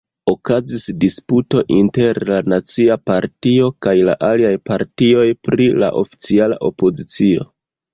Okazis disputo inter la Nacia Partio kaj la aliaj partioj pri la oficiala opozicio.